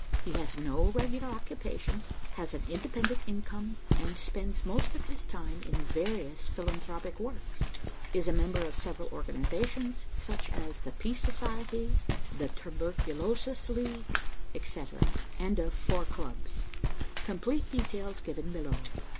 He has no regular occupation, has an independent income, and spends most of his time in various philanthropic works. Is a member of several organizations, such as the Peace Society, the Tuberculosis League, etc., and of four clubs. Complete details given below.